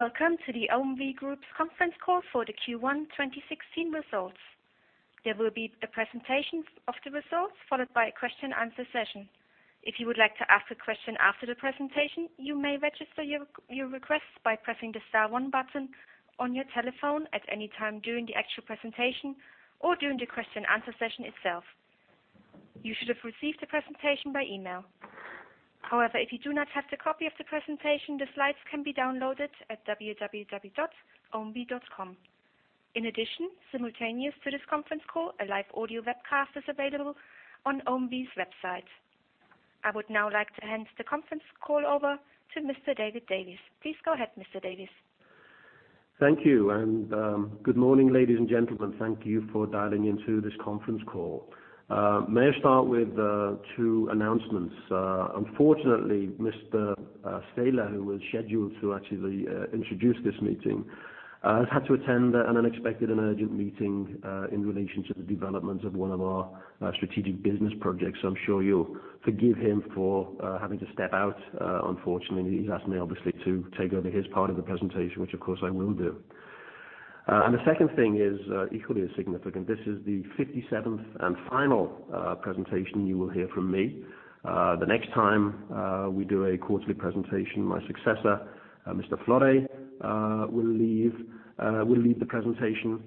Welcome to the OMV Group conference call for the Q1 2016 results. There will be a presentation of the results, followed by a question-and-answer session. If you would like to ask a question after the presentation, you may register your request by pressing the star one button on your telephone at any time during the actual presentation or during the question-and-answer session itself. You should have received the presentation by email. However, if you do not have the copy of the presentation, the slides can be downloaded at www.omv.com. In addition, simultaneous to this conference call, a live audio webcast is available on OMV's website. I would now like to hand the conference call over to Mr. David Davies. Please go ahead, Mr. Davies. Thank you, and good morning, ladies and gentlemen. Thank you for dialing into this conference call. May I start with two announcements? Unfortunately, Mr. Seele, who was scheduled to actually introduce this meeting, has had to attend an unexpected and urgent meeting in relation to the development of one of our strategic business projects. I'm sure you'll forgive him for having to step out, unfortunately. He's asked me, obviously, to take over his part of the presentation, which, of course, I will do. The second thing is equally as significant. This is the 57th and final presentation you will hear from me. The next time we do a quarterly presentation, my successor, Mr. Florey, will lead the presentation.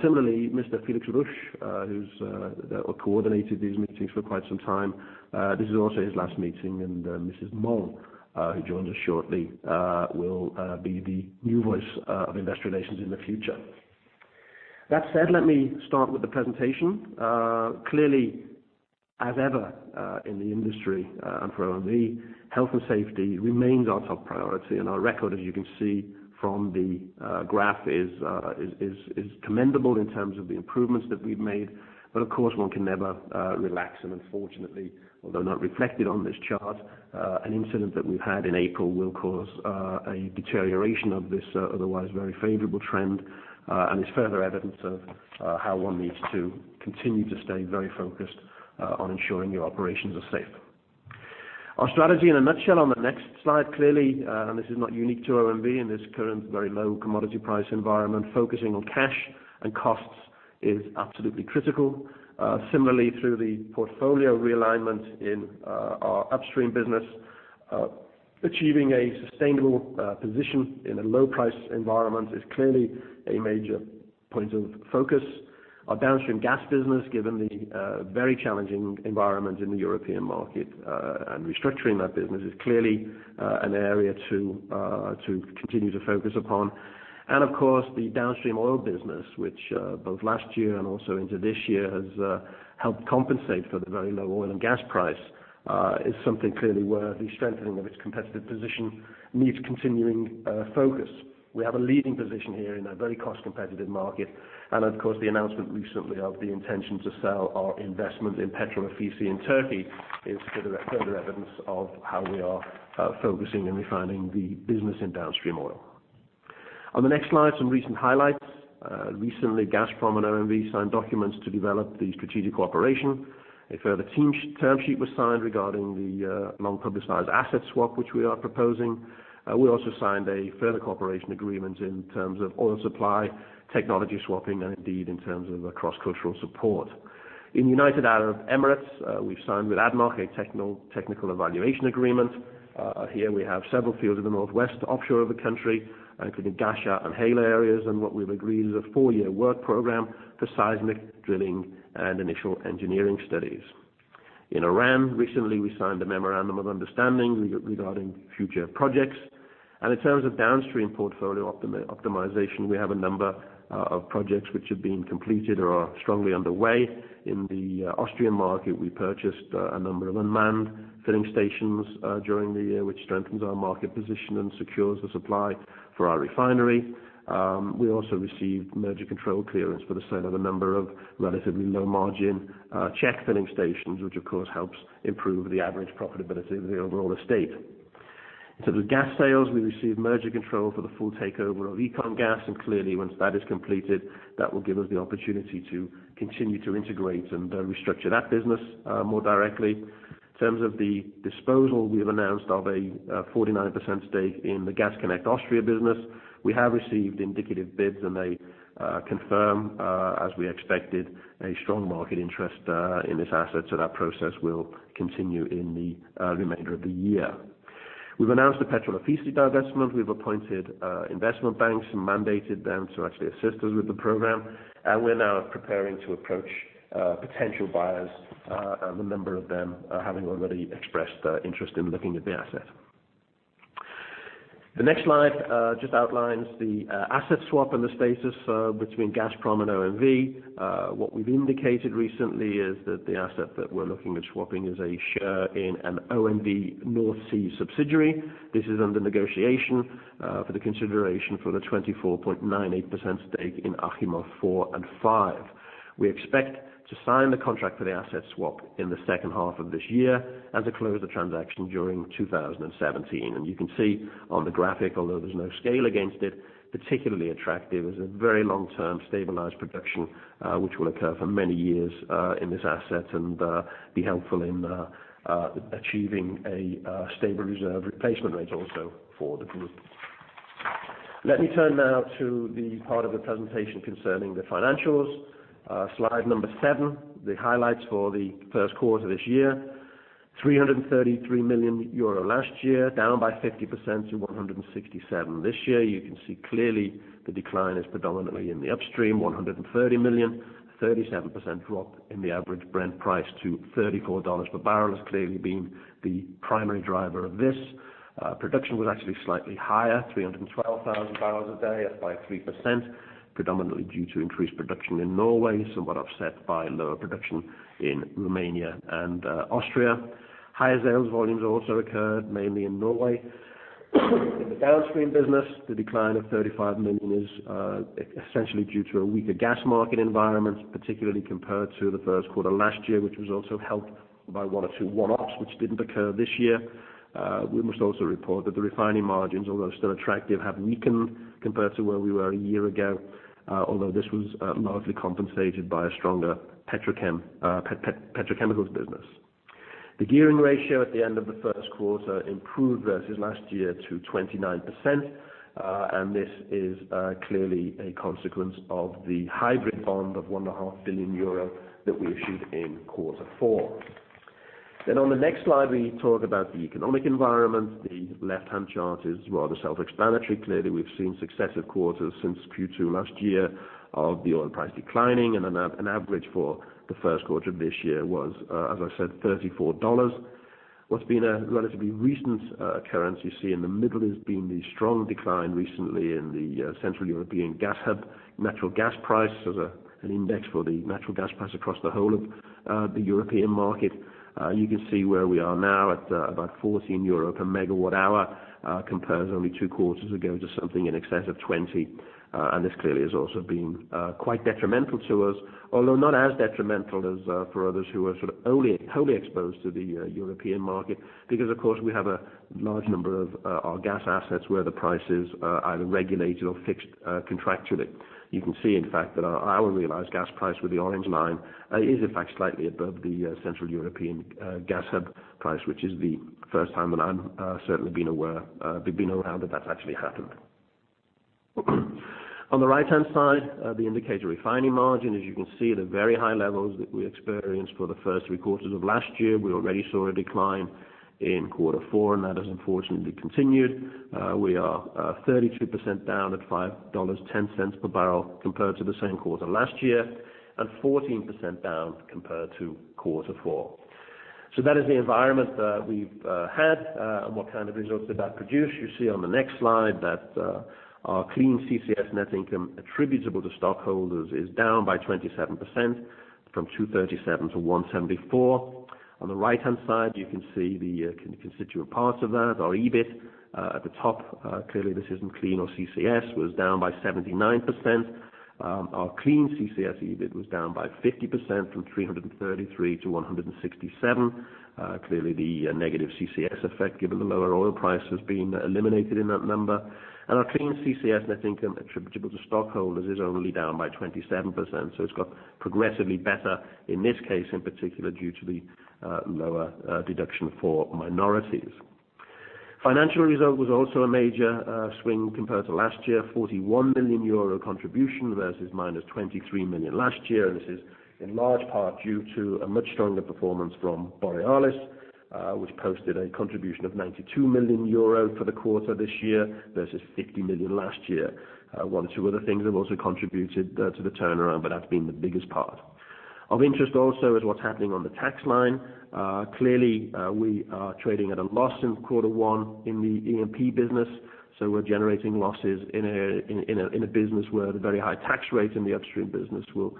Similarly, Mr. Felix Rusch, who coordinated these meetings for quite some time, this is also his last meeting, and Mrs. Moll, who joins us shortly, will be the new voice of investor relations in the future. That said, let me start with the presentation. Clearly, as ever in the industry and for OMV, health and safety remains our top priority. Our record, as you can see from the graph, is commendable in terms of the improvements that we've made. Of course, one can never relax, and unfortunately, although not reflected on this chart, an incident that we've had in April will cause a deterioration of this otherwise very favorable trend and is further evidence of how one needs to continue to stay very focused on ensuring your operations are safe. Our strategy in a nutshell on the next slide, clearly, and this is not unique to OMV in this current very low commodity price environment, focusing on cash and costs is absolutely critical. Similarly, through the portfolio realignment in our upstream business, achieving a sustainable position in a low-price environment is clearly a major point of focus. Our downstream gas business, given the very challenging environment in the European market and restructuring that business, is clearly an area to continue to focus upon. Of course, the downstream oil business, which both last year and also into this year has helped compensate for the very low oil and gas price, is something clearly where the strengthening of its competitive position needs continuing focus. We have a leading position here in a very cost-competitive market. Of course, the announcement recently of the intention to sell our investment in Petrol Ofisi in Turkey is further evidence of how we are focusing and refining the business in downstream oil. On the next slide, some recent highlights. Recently, Gazprom and OMV signed documents to develop the strategic cooperation. A further term sheet was signed regarding the non-publicized asset swap, which we are proposing. We also signed a further cooperation agreement in terms of oil supply, technology swapping, and indeed in terms of cross-cultural support. In United Arab Emirates, we've signed with ADNOC a technical evaluation agreement. Here we have several fields in the northwest offshore of the country, including Ghasha and Hail areas, and what we've agreed is a four-year work program for seismic drilling and initial engineering studies. In Iran, recently, we signed a memorandum of understanding regarding future projects. In terms of downstream portfolio optimization, we have a number of projects which have been completed or are strongly underway. In the Austrian market, we purchased a number of unmanned filling stations during the year, which strengthens our market position and secures the supply for our refinery. We also received merger control clearance for the sale of a number of relatively low-margin Czech filling stations, which of course helps improve the average profitability of the overall estate. In terms of gas sales, we received merger control for the full takeover of EconGas, and clearly once that is completed, that will give us the opportunity to continue to integrate and restructure that business more directly. In terms of the disposal, we have announced of a 49% stake in the Gas Connect Austria business. We have received indicative bids, and they confirm, as we expected, a strong market interest in this asset, so that process will continue in the remainder of the year. We've announced the Petrol Ofisi divestment. We've appointed investment banks and mandated them to actually assist us with the program. We're now preparing to approach potential buyers, a number of them having already expressed interest in looking at the asset. The next slide just outlines the asset swap and the status between Gazprom and OMV. What we've indicated recently is that the asset that we're looking at swapping is a share in an OMV North Sea subsidiary. This is under negotiation for the consideration for the 24.98% stake in Achimov 4 and 5. We expect to sign the contract for the asset swap in the second half of this year and to close the transaction during 2017. You can see on the graphic, although there's no scale against it, particularly attractive is a very long-term stabilized production, which will occur for many years in this asset and be helpful in achieving a stable reserve replacement rate also for the group. Let me turn now to the part of the presentation concerning the financials. Slide number seven, the highlights for the first quarter this year. 333 million euro last year, down by 50% to 167 million this year. You can see clearly the decline is predominantly in the upstream, 130 million, 37% drop in the average Brent price to $34 per barrel has clearly been the primary driver of this. Production was actually slightly higher, 312,000 barrels a day, up by 3%, predominantly due to increased production in Norway, somewhat offset by lower production in Romania and Austria. Higher sales volumes also occurred mainly in Norway. In the downstream business, the decline of 35 million is essentially due to a weaker gas market environment, particularly compared to the first quarter last year, which was also helped by one or two one-offs, which didn't occur this year. We must also report that the refining margins, although still attractive, have weakened compared to where we were a year ago. Although this was largely compensated by a stronger petrochemicals business. The gearing ratio at the end of the first quarter improved versus last year to 29%, and this is clearly a consequence of the hybrid bond of 1.5 billion euro that we issued in quarter four. On the next slide, we talk about the economic environment. The left-hand chart is rather self-explanatory. Clearly, we've seen successive quarters since Q2 last year of the oil price declining and an average for the first quarter of this year was, as I said, $34. What's been a relatively recent occurrence, you see in the middle, has been the strong decline recently in the Central European Gas Hub. Natural gas price as an index for the natural gas price across the whole of the European market. You can see where we are now at about 14 euro per megawatt hour, compares only two quarters ago to something in excess of 20. This clearly has also been quite detrimental to us, although not as detrimental as for others who are sort of wholly exposed to the European market, because of course we have a large number of our gas assets where the price is either regulated or fixed contractually. You can see, in fact, that our realized gas price with the orange line is in fact slightly above the Central European Gas Hub price, which is the first time that I'm certainly been aware that that's actually happened. On the right-hand side, the indicator refining margin. As you can see, the very high levels that we experienced for the first three quarters of last year, we already saw a decline in quarter four and that has unfortunately continued. We are 32% down at $5.10 per barrel compared to the same quarter last year and 14% down compared to quarter four. That is the environment that we've had. What kind of results did that produce? You see on the next slide that our clean CCS net income attributable to stockholders is down by 27% from 237 to 174. On the right-hand side, you can see the constituent parts of that, our EBIT at the top. Clearly this isn't clean or CCS was down by 79%. Our clean CCS EBIT was down by 50% from 333 to 167. Clearly the negative CCS effect, given the lower oil price, has been eliminated in that number. Our clean CCS net income attributable to stockholders is only down by 27%. It's got progressively better in this case, in particular due to the lower deduction for minorities. Financial result was also a major swing compared to last year, 41 million euro contribution versus minus 23 million last year. This is in large part due to a much stronger performance from Borealis, which posted a contribution of 92 million euro for the quarter this year versus 60 million last year. One or two other things have also contributed to the turnaround, but that's been the biggest part. Of interest also is what's happening on the tax line. Clearly, we are trading at a loss in quarter one in the E&P business, so we're generating losses in a business where the very high tax rates in the upstream business will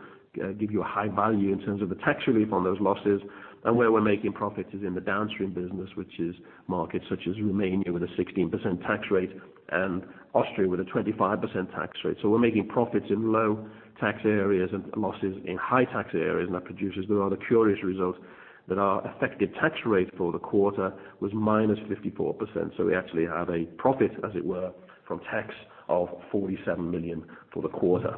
give you a high value in terms of the tax relief on those losses. Where we're making profits is in the downstream business, which is markets such as Romania with a 16% tax rate and Austria with a 25% tax rate. We're making profits in low tax areas and losses in high tax areas, and that produces the rather curious result that our effective tax rate for the quarter was minus 54%. We actually had a profit, as it were, from tax of 47 million for the quarter.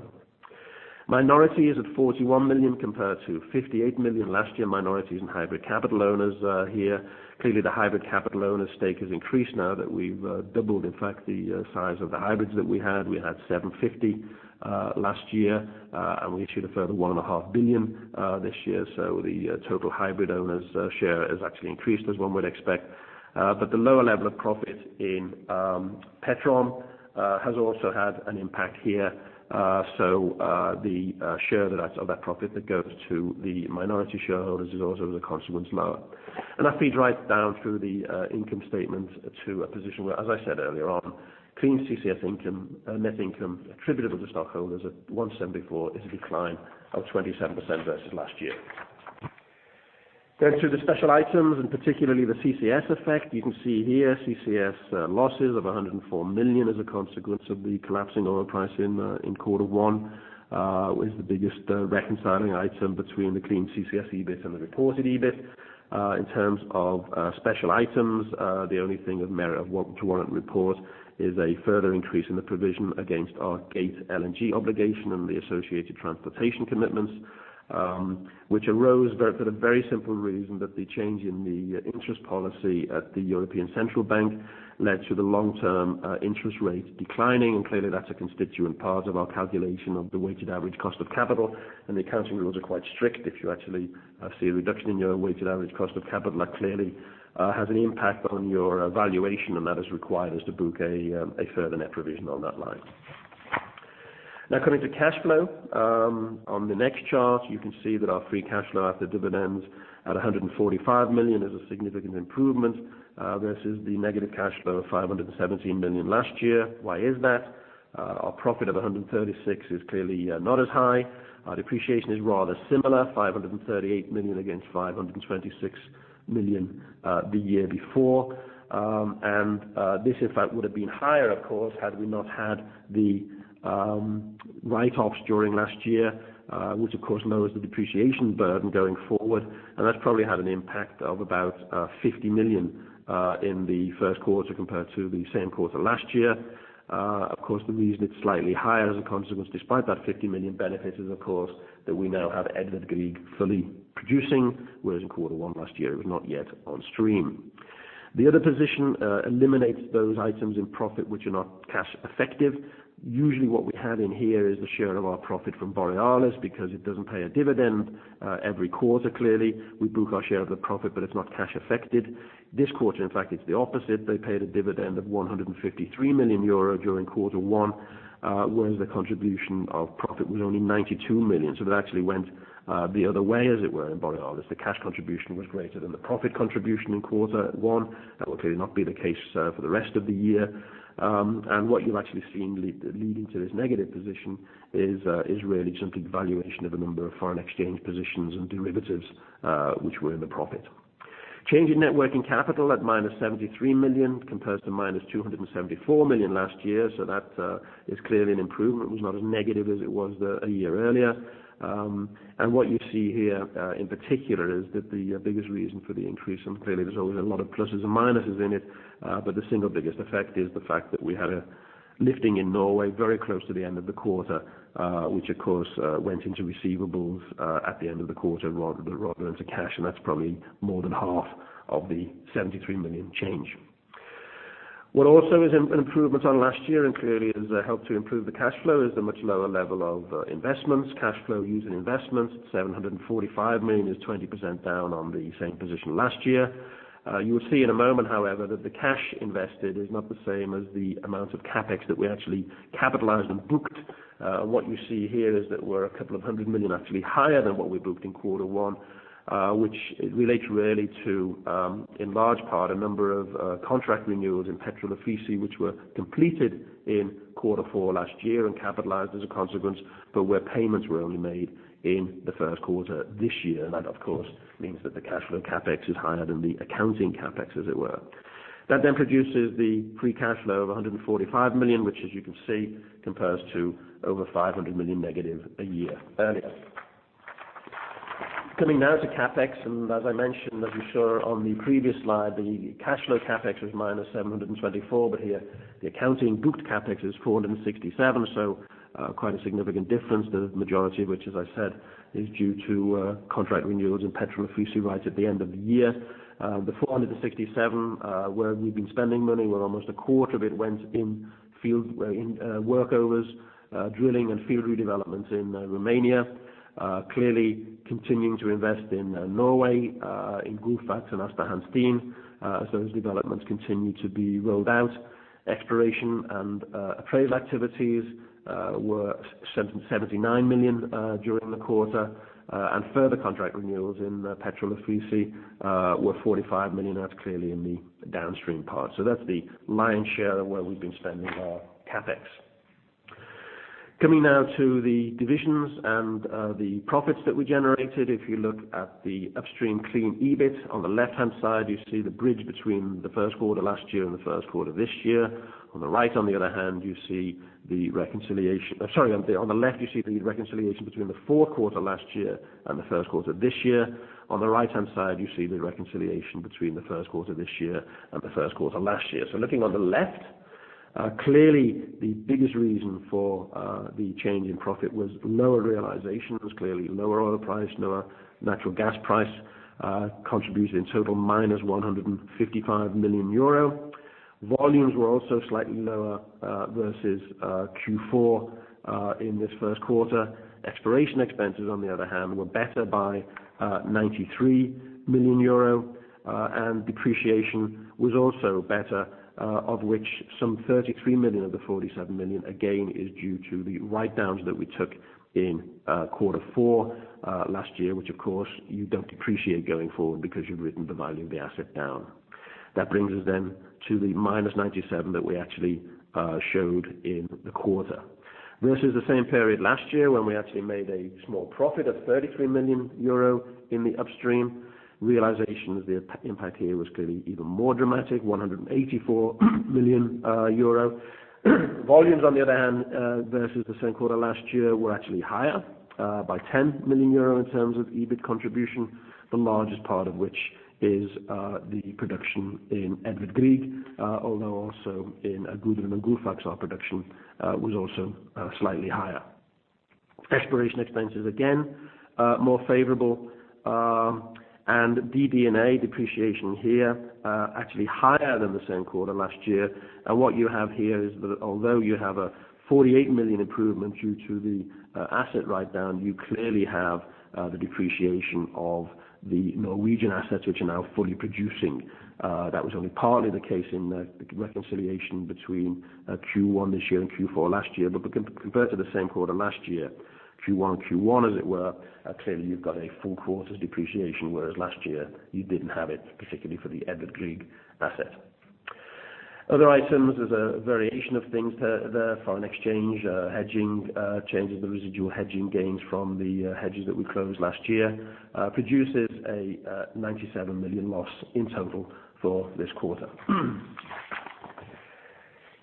Minority is at 41 million compared to 58 million last year. Minorities and hybrid capital owners are here. Clearly the hybrid capital owners stake has increased now that we've doubled, in fact, the size of the hybrids that we had. We had 750 million last year. We issued a further 1.5 billion this year. The total hybrid owners share has actually increased, as one would expect. The lower level of profit in Petrom has also had an impact here. The share of that profit that goes to the minority shareholders is also as a consequence, lower. That feeds right down through the income statement to a position where, as I said earlier on, clean CCS net income attributable to stockholders at 174 million is a decline of 27% versus last year. To the special items and particularly the CCS effect. You can see here CCS losses of 104 million as a consequence of the collapsing oil price in quarter one is the biggest reconciling item between the clean CCS EBIT and the reported EBIT. In terms of special items, the only thing of merit to want to report is a further increase in the provision against our Gate LNG obligation and the associated transportation commitments, which arose for the very simple reason that the change in the interest policy at the European Central Bank led to the long-term interest rate declining. Clearly that's a constituent part of our calculation of the weighted average cost of capital and the accounting rules are quite strict. If you actually see a reduction in your weighted average cost of capital, that clearly has an impact on your valuation and that has required us to book a further net provision on that line. Now coming to cash flow. On the next chart, you can see that our free cash flow after dividends at 145 million is a significant improvement versus the negative cash flow of 517 million last year. Why is that? Our profit of 136 million is clearly not as high. Our depreciation is rather similar, 538 million against 526 million the year before. This in fact, would have been higher, of course, had we not had the write-offs during last year, which of course lowers the depreciation burden going forward, and that's probably had an impact of about 50 million in the first quarter compared to the same quarter last year. Of course, the reason it's slightly higher as a consequence, despite that 50 million benefit, is of course, that we now have Edvard Grieg fully producing, whereas in Quarter One last year, it was not yet on stream. The other position eliminates those items in profit which are not cash effective. Usually what we had in here is the share of our profit from Borealis because it does not pay a dividend every quarter, clearly. We book our share of the profit, but it is not cash affected. This quarter, in fact, it is the opposite. They paid a dividend of 153 million euro during Quarter One, whereas the contribution of profit was only 92 million. That actually went the other way, as it were, in Borealis. The cash contribution was greater than the profit contribution in Quarter One. That will clearly not be the case for the rest of the year. What you have actually seen leading to this negative position is really simply valuation of a number of foreign exchange positions and derivatives, which were in the profit. Change in net working capital at minus 73 million compares to minus 274 million last year. That is clearly an improvement. Was not as negative as it was a year earlier. What you see here in particular is that the biggest reason for the increase, and clearly there is always a lot of pluses and minuses in it, but the single biggest effect is the fact that we had a lifting in Norway very close to the end of the quarter, which of course, went into receivables at the end of the quarter rather than to cash, and that is probably more than half of the 73 million change. What also is an improvement on last year, and clearly has helped to improve the cash flow, is the much lower level of investments. Cash flow used in investments, 745 million is 20% down on the same position last year. You will see in a moment, however, that the cash invested is not the same as the amount of CapEx that we actually capitalized and booked. What you see here is that we are a couple of hundred million actually higher than what we booked in Quarter One, which relates really to, in large part, a number of contract renewals in Petrol Ofisi, which were completed in Quarter Four last year and capitalized as a consequence, but where payments were only made in the first quarter this year. That, of course, means that the cash flow CapEx is higher than the accounting CapEx, as it were. That then produces the free cash flow of 145 million, which as you can see, compares to over 500 million negative a year earlier. Coming now to CapEx, as I mentioned, as you saw on the previous slide, the cash flow CapEx was minus 724, but here the accounting booked CapEx is 467. Quite a significant difference. The majority of which, as I said, is due to contract renewals in Petrol Ofisi rights at the end of the year. The 467 where we have been spending money, where almost a quarter of it went in workovers, drilling and field redevelopments in Romania. Clearly continuing to invest in Norway, in Gullfaks and Aasta Hansteen as those developments continue to be rolled out. Exploration and appraisal activities were 79 million during the quarter, and further contract renewals in Petrol Ofisi were 45 million. That is clearly in the downstream part. That is the lion's share of where we have been spending our CapEx. Coming now to the divisions and the profits that we generated. If you look at the upstream clean EBIT on the left-hand side, you see the bridge between the first quarter last year and the first quarter this year. On the right, on the other hand, you see the reconciliation. Sorry. On the left, you see the reconciliation between the fourth quarter last year and the first quarter this year. On the right-hand side, you see the reconciliation between the first quarter this year and the first quarter last year. Looking on the left, clearly the biggest reason for the change in profit was lower realization. It was clearly lower oil price, lower natural gas price contributed in total minus 155 million euro. Volumes were also slightly lower versus Q4 in this first quarter. Exploration expenses, on the other hand, were better by 93 million euro, and depreciation was also better, of which some 33 million of the 47 million, again, is due to the write-downs that we took in Quarter Four last year, which of course, you don't depreciate going forward because you've written the value of the asset down. That brings us then to the minus 97 that we actually showed in the quarter versus the same period last year when we actually made a small profit of 33 million euro in the upstream. Realization of the impact here was clearly even more dramatic, 184 million euro. Volumes, on the other hand, versus the same quarter last year, were actually higher by 10 million euro in terms of EBIT contribution, the largest part of which is the production in Edvard Grieg, although also in Gudrun and Gullfaks our production was also slightly higher. Exploration expenses, again, more favorable. DD&A depreciation here, actually higher than the same quarter last year. What you have here is that although you have a 48 million improvement due to the asset write-down, you clearly have the depreciation of the Norwegian assets, which are now fully producing. That was only partly the case in the reconciliation between Q1 this year and Q4 last year. Compared to the same quarter last year, Q1 and Q1 as it were, clearly you've got a full quarter's depreciation, whereas last year you didn't have it, particularly for the Edvard Grieg asset. Other items, there's a variation of things there. Foreign exchange hedging, changes the residual hedging gains from the hedges that we closed last year, produces a 97 million loss in total for this quarter.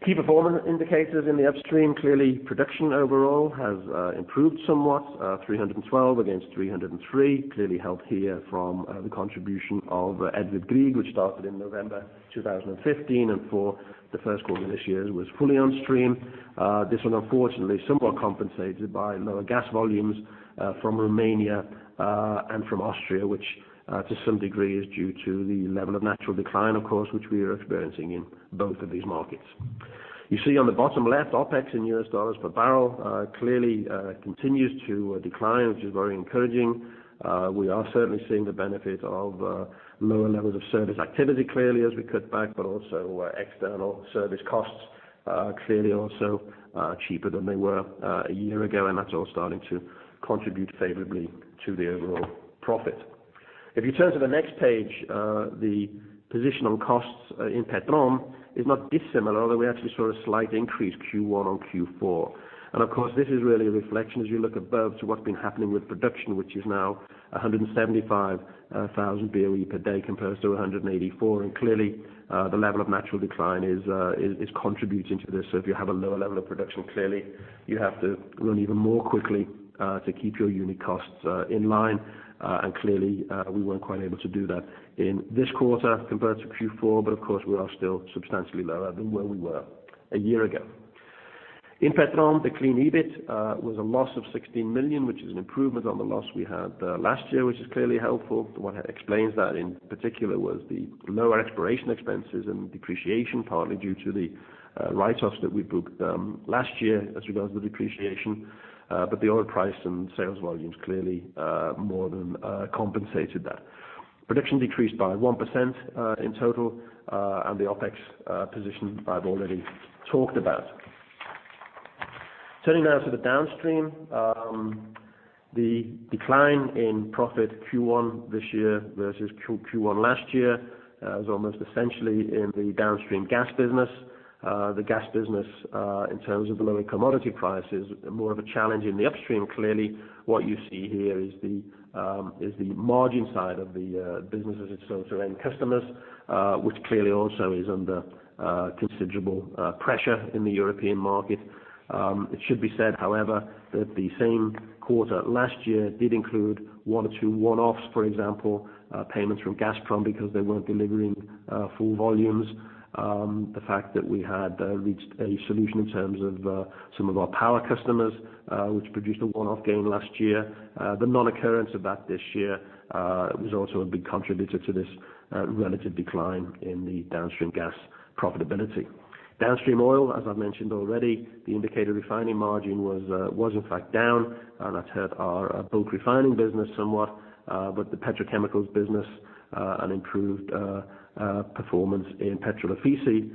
Key performance indicators in the Upstream, clearly production overall has improved somewhat, 312 against 303, clearly helped here from the contribution of Edvard Grieg, which started in November 2015, and for the first quarter this year was fully on stream. This was unfortunately somewhat compensated by lower gas volumes from Romania, and from Austria, which to some degree is due to the level of natural decline, of course, which we are experiencing in both of these markets. You see on the bottom left, OpEx in US dollars per barrel, clearly continues to decline, which is very encouraging. We are certainly seeing the benefit of lower levels of service activity clearly as we cut back. External service costs are clearly also cheaper than they were a year ago. That's all starting to contribute favorably to the overall profit. If you turn to the next page, the position on costs in Petrom is not dissimilar, although we actually saw a slight increase Q1 on Q4. Of course, this is really a reflection as you look above to what's been happening with production, which is now 175,000 boe per day compared to 184. Clearly, the level of natural decline is contributing to this. If you have a lower level of production, clearly you have to run even more quickly, to keep your unit costs in line. Clearly, we weren't quite able to do that in this quarter compared to Q4. Of course, we are still substantially lower than where we were a year ago. In Petrom, the clean EBIT was a loss of 16 million, which is an improvement on the loss we had last year, which is clearly helpful. What explains that in particular was the lower exploration expenses and depreciation, partly due to the write-offs that we booked last year as regards the depreciation. The oil price and sales volumes clearly more than compensated that. Production decreased by 1% in total. The OpEx position I've already talked about. Turning now to the Downstream. The decline in profit Q1 this year versus Q1 last year, was almost essentially in the Downstream gas business. The gas business, in terms of the lower commodity prices, more of a challenge in the Upstream. Clearly, what you see here is the margin side of the business as it's sold to end customers, which clearly also is under considerable pressure in the European market. It should be said, however, that the same quarter last year did include one or two one-offs. For example, payments from Gazprom because they weren't delivering full volumes. The fact that we had reached a solution in terms of some of our power customers, which produced a one-off gain last year. The non-occurrence of that this year, was also a big contributor to this relative decline in the Downstream gas profitability. Downstream oil, as I've mentioned already, the indicator refining margin was in fact down. That's hurt our bulk refining business somewhat. The petrochemicals business, an improved performance in Petrol Ofisi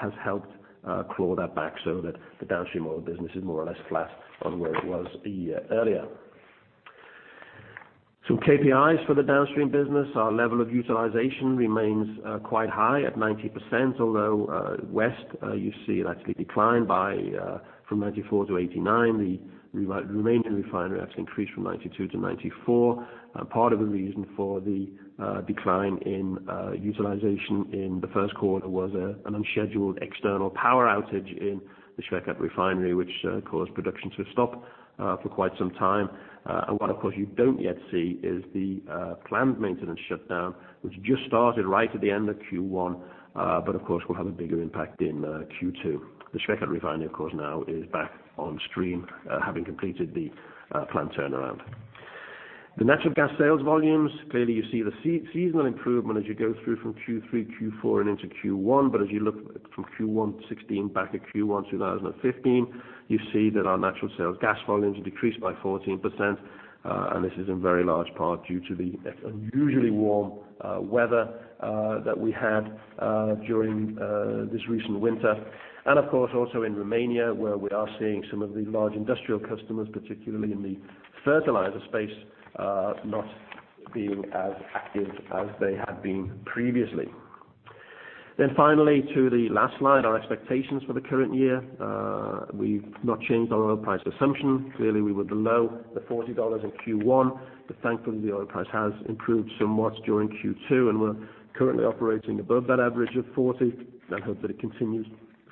has helped claw that back so that the Downstream oil business is more or less flat on where it was a year earlier. Some KPIs for the Downstream business. Our level of utilization remains quite high at 90%, although West, you see it actually declined from 94% to 89%. The remaining Refinery actually increased from 92% to 94%. Part of the reason for the decline in utilization in the first quarter was an unscheduled external power outage in the Schwechat Refinery, which caused production to stop for quite some time. What, of course, you don't yet see is the planned maintenance shutdown, which just started right at the end of Q1, but of course, will have a bigger impact in Q2. The Schwechat Refinery, of course, now is back on stream, having completed the planned turnaround. The natural gas sales volumes, clearly you see the seasonal improvement as you go through from Q3, Q4 and into Q1. But as you look from Q1 2016 back at Q1 2015, you see that our natural sales gas volumes have decreased by 14%. This is in very large part due to the unusually warm weather that we had during this recent winter. Of course, also in Romania, where we are seeing some of the large industrial customers, particularly in the fertilizer space, not being as active as they had been previously. Then finally to the last slide, our expectations for the current year. We've not changed our oil price assumption. Clearly, we were below the $40 in Q1, but thankfully, the oil price has improved somewhat during Q2, and we're currently operating above that average of $40. Let's hope that it continues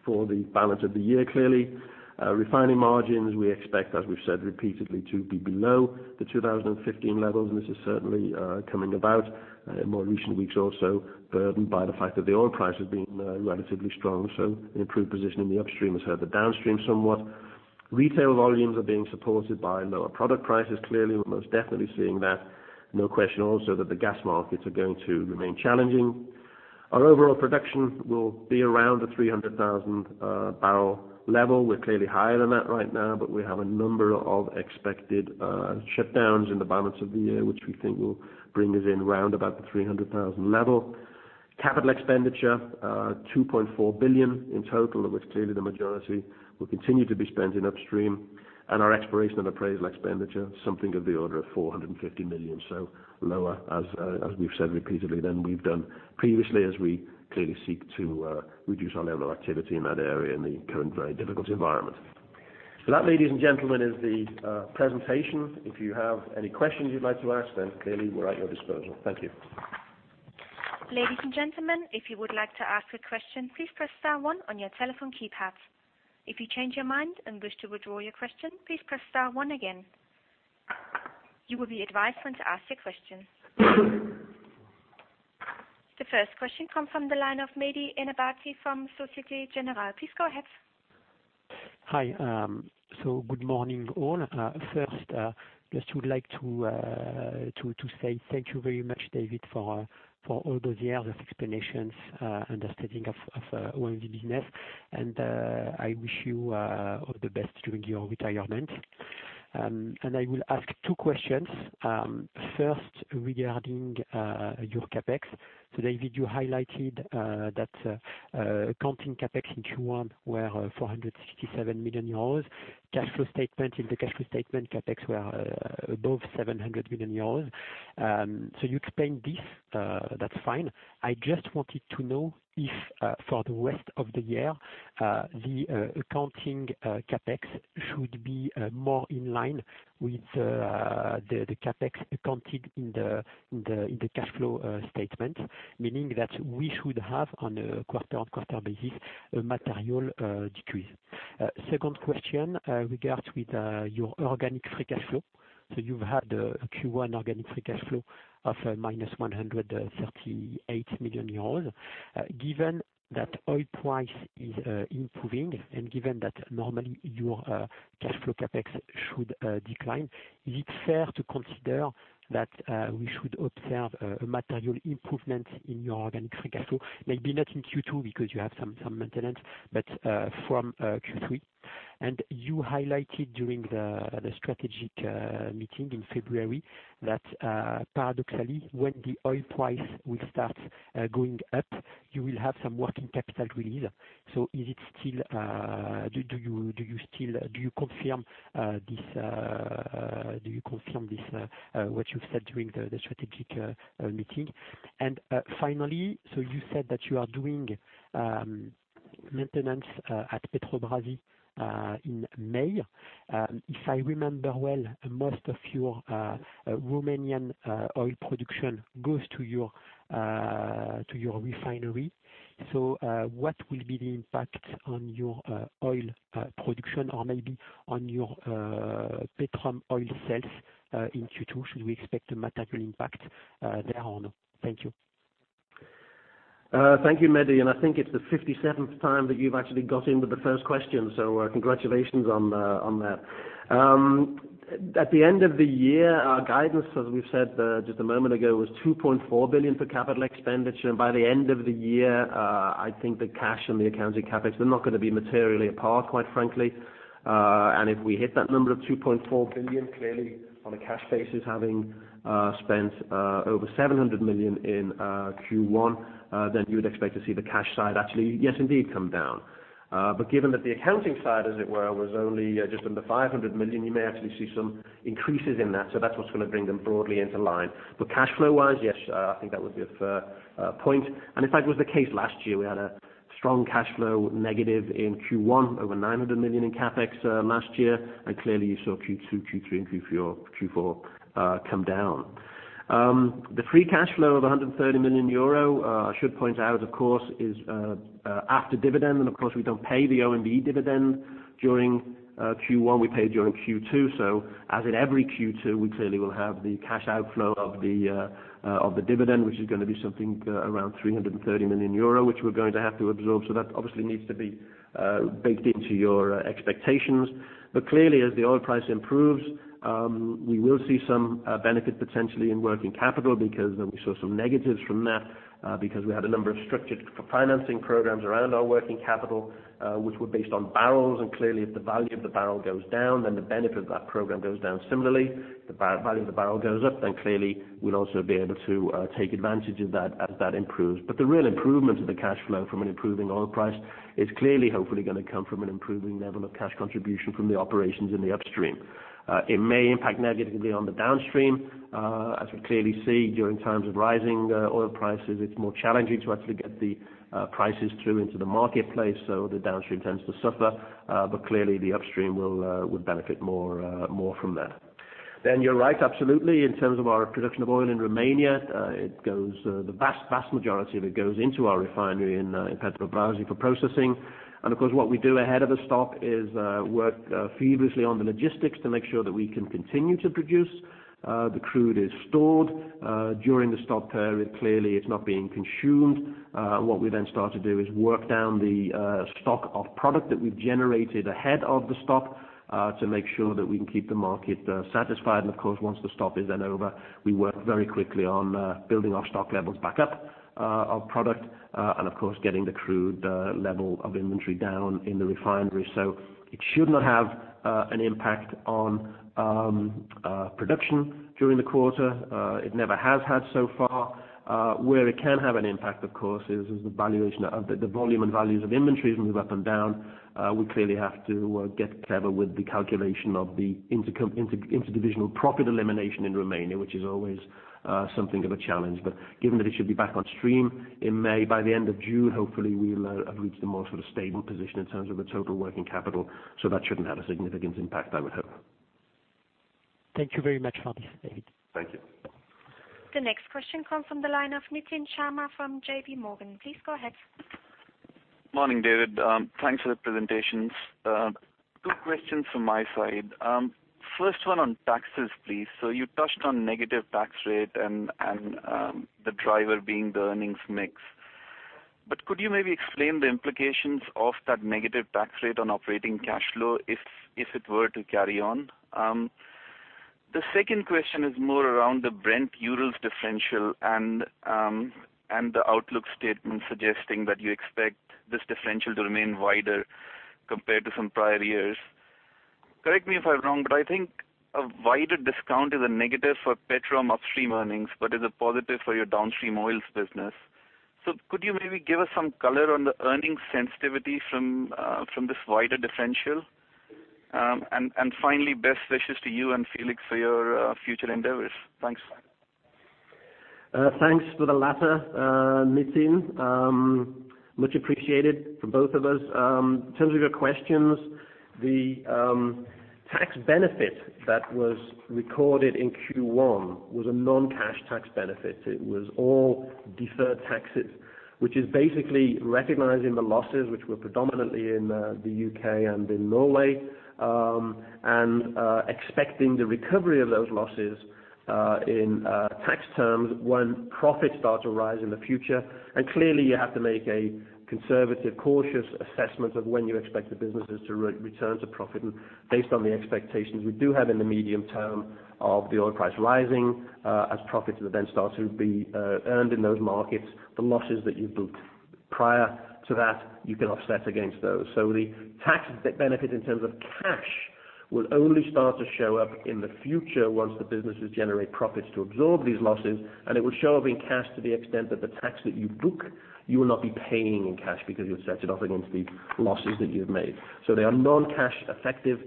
for the balance of the year. Clearly, refining margins, we expect, as we've said repeatedly, to be below the 2015 levels, and this is certainly coming about in more recent weeks also burdened by the fact that the oil price has been relatively strong. So an improved position in the Upstream has hurt the Downstream somewhat. Retail volumes are being supported by lower product prices. Clearly, we're most definitely seeing that. No question also that the gas markets are going to remain challenging. Our overall production will be around the 300,000 barrel level. We're clearly higher than that right now, but we have a number of expected shutdowns in the balance of the year, which we think will bring us in round about the 300,000 level. Capital expenditure, 2.4 billion in total, of which clearly the majority will continue to be spent in Upstream, and our exploration and appraisal expenditure, something of the order of 450 million. So lower, as we've said repeatedly, than we've done previously as we clearly seek to reduce our level of activity in that area in the current very difficult environment. So that, ladies and gentlemen, is the presentation. If you have any questions you'd like to ask, then clearly we're at your disposal. Thank you. Ladies and gentlemen, if you would like to ask a question, please press star one on your telephone keypad. If you change your mind and wish to withdraw your question, please press star one again. You will be advised when to ask your question. The first question comes from the line of Mehdi Ennebati from Societe Generale. Please go ahead. Hi. Good morning, all. First, just would like to say thank you very much, David, for all those years of explanations, understanding of OMV business. I wish you all the best during your retirement. I will ask two questions. First, regarding your CapEx. David, you highlighted that accounting CapEx in Q1 were 467 million euros. In the cash flow statement, CapEx were above 700 million euros. You explained this, that's fine. I just wanted to know if, for the rest of the year, the accounting CapEx should be more in line with the CapEx accounted in the cash flow statement, meaning that we should have, on a quarter-on-quarter basis, a material decrease. Second question regards with your organic free cash flow. You've had a Q1 organic free cash flow of minus 138 million euros. Given that oil price is improving and given that normally your cash flow CapEx should decline, is it fair to consider that we should observe a material improvement in your organic free cash flow? Maybe not in Q2 because you have some maintenance, but from Q3. You highlighted during the strategic meeting in February that paradoxically, when the oil price will start going up, you will have some working capital release. Do you confirm what you've said during the strategic meeting? Finally, you said that you are doing maintenance at Petrobrazi in May. If I remember well, most of your Romanian oil production goes to your refinery. What will be the impact on your oil production or maybe on your Petrom oil sales in Q2? Should we expect a material impact there or no? Thank you. Thank you, Mehdi. I think it's the 57th time that you've actually got in with the first question. Congratulations on that. At the end of the year, our guidance, as we've said just a moment ago, was 2.4 billion for capital expenditure. By the end of the year, I think the cash and the accounting CapEx, they're not going to be materially apart, quite frankly. If we hit that number of 2.4 billion, clearly on a cash basis, having spent over 700 million in Q1, you would expect to see the cash side actually, yes indeed, come down. Given that the accounting side, as it were, was only just under 500 million, you may actually see some increases in that. That's what's going to bring them broadly into line. Cash flow wise, yes, I think that would be a fair point. In fact, it was the case last year. We had a strong cash flow negative in Q1, over 900 million in CapEx last year. Clearly you saw Q2, Q3 and Q4 come down. The free cash flow of 130 million euro, I should point out, of course, is after dividend. Of course, we don't pay the OMV dividend during Q1, we pay during Q2. As in every Q2, we clearly will have the cash outflow of the dividend, which is going to be something around 330 million euro, which we're going to have to absorb. That obviously needs to be baked into your expectations. Clearly, as the oil price improves, we will see some benefit potentially in working capital, because we saw some negatives from that. We had a number of structured financing programs around our working capital, which were based on barrels. Clearly, if the value of the barrel goes down, the benefit of that program goes down similarly. The value of the barrel goes up, clearly we'll also be able to take advantage of that as that improves. The real improvement of the cash flow from an improving oil price is clearly, hopefully, going to come from an improving level of cash contribution from the operations in the upstream. It may impact negatively on the downstream. We clearly see during times of rising oil prices, it's more challenging to actually get the prices through into the marketplace, so the downstream tends to suffer. Clearly the upstream would benefit more from that. You're right, absolutely. In terms of our production of oil in Romania, the vast majority of it goes into our refinery in Petrobrazi for processing. Of course, what we do ahead of a stop is work feverishly on the logistics to make sure that we can continue to produce. The crude is stored during the stop period. Clearly, it's not being consumed. We then start to do is work down the stock of product that we've generated ahead of the stop to make sure that we can keep the market satisfied. Of course, once the stop is then over, we work very quickly on building our stock levels back up of product, and of course, getting the crude level of inventory down in the refinery. It should not have an impact on production during the quarter. It never has had so far. Where it can have an impact, of course, is the volume and values of inventories move up and down. We clearly have to get clever with the calculation of the interdivisional profit elimination in Romania, which is always something of a challenge. Given that it should be back on stream in May, by the end of June, hopefully we'll have reached a more sort of stable position in terms of the total working capital. That shouldn't have a significant impact, I would hope. Thank you very much, David. Thank you. The next question comes from the line of Nitin Sharma from JP Morgan. Please go ahead. Morning, David. Thanks for the presentations. Two questions from my side. First one on taxes, please. You touched on negative tax rate and the driver being the earnings mix. Could you maybe explain the implications of that negative tax rate on operating cash flow if it were to carry on? The second question is more around the Brent Urals differential and the outlook statement suggesting that you expect this differential to remain wider compared to some prior years. Correct me if I'm wrong, but I think a wider discount is a negative for Petrom upstream earnings, but is a positive for your downstream oils business. Could you maybe give us some color on the earnings sensitivity from this wider differential? And finally, best wishes to you and Felix for your future endeavors. Thanks. Thanks for the latter, Nitin. Much appreciated for both of us. In terms of your questions, the tax benefit that was recorded in Q1 was a non-cash tax benefit. It was all deferred taxes, which is basically recognizing the losses which were predominantly in the U.K. and in Norway, and expecting the recovery of those losses in tax terms when profits start to rise in the future. Clearly, you have to make a conservative, cautious assessment of when you expect the businesses to return to profit based on the expectations we do have in the medium term of the oil price rising. As profits then start to be earned in those markets, the losses that you booked prior to that, you can offset against those. The tax benefit in terms of cash will only start to show up in the future once the businesses generate profits to absorb these losses, and it will show up in cash to the extent that the tax that you book, you will not be paying in cash because you'll set it off against the losses that you've made. They are non-cash effective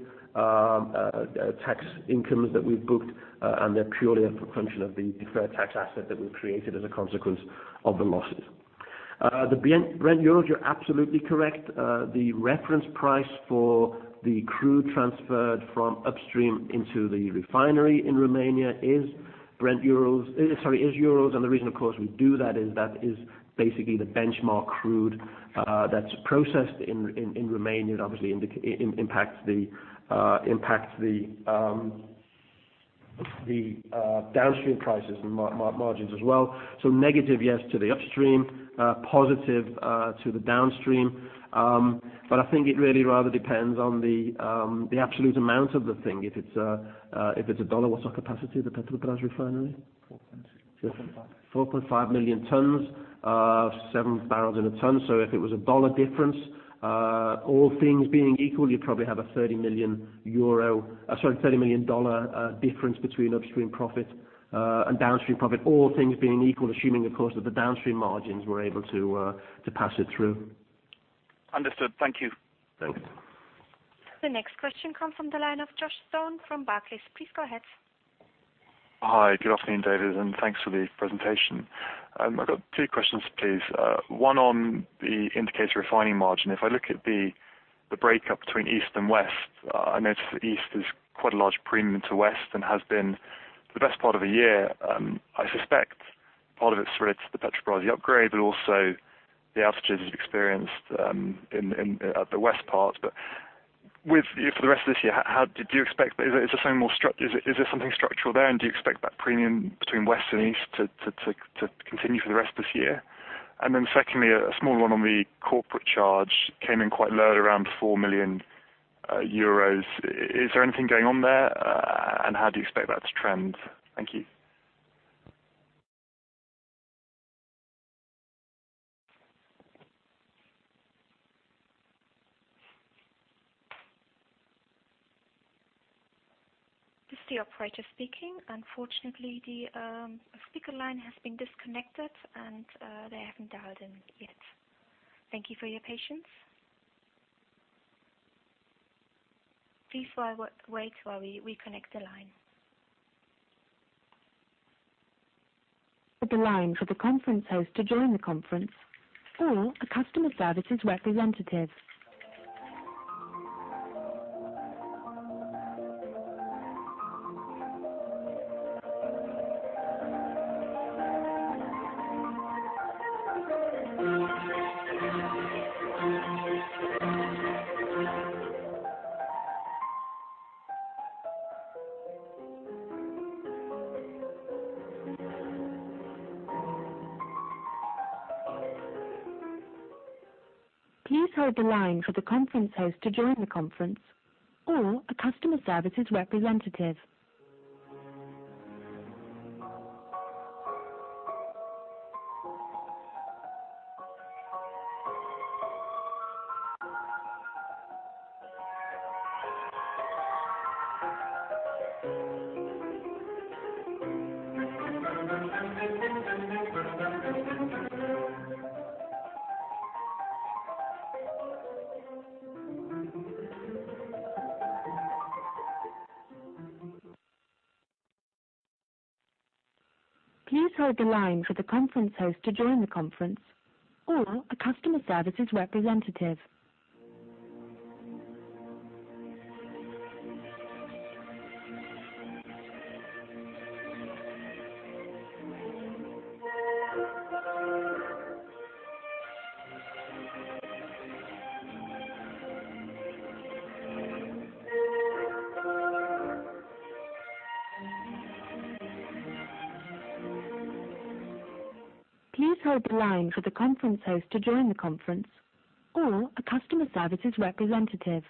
tax incomes that we've booked, and they're purely a function of the deferred tax asset that we've created as a consequence of the losses. The Brent Urals, you're absolutely correct. The reference price for the crude transferred from upstream into the refinery in Romania is Urals. The reason, of course, we do that is that is basically the benchmark crude that's processed in Romania and obviously impacts the downstream prices and margins as well. Negative, yes, to the upstream, positive to the downstream. I think it really rather depends on the absolute amount of the thing. If it's a dollar-- What's our capacity of the Petrobrazi refinery? 4.5. 4.5 million tons of 7 barrels in a ton. If it was a dollar difference, all things being equal, you probably have a 30 million euro, sorry, $30 million difference between upstream profit and downstream profit, all things being equal, assuming, of course, that the downstream margins were able to pass it through. Understood. Thank you. Thanks. The next question comes from the line of Joshua Stone from Barclays. Please go ahead. Hi, good afternoon, David, thanks for the presentation. I've got two questions, please. One on the indicator refining margin. If I look at the breakup between east and west, I notice that the east is quite a large premium to west and has been for the best part of a year. I suspect part of it relates to the Petrobrazi upgrade, but also the outages experienced at the west part. For the rest of this year, is this something structural there, and do you expect that premium between west and east to continue for the rest of this year? Secondly, a small one on the corporate charge. Came in quite low at around 4 million euros. Is there anything going on there? How do you expect that to trend? Thank you. This is the operator speaking. Unfortunately, the speaker line has been disconnected, and they haven't dialed in yet. Thank you for your patience. Please wait while we reconnect the line. Hold the line for the conference host to join the conference or a customer services representative. Please hold the line for the conference host to join the conference or a customer services representative. Please hold the line for the conference host to join the conference or a customer services representative.